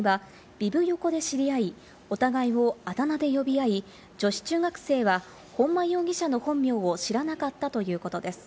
ビブ横で知り合い、お互いをあだ名で呼び合い、女子中学生は本間容疑者の本名を知らなかったということです。